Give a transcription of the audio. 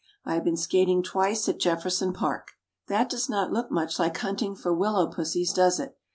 I have been skating twice at Jefferson Park." That does not look much like hunting for willow "pussies," does it?